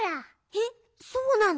えっそうなの？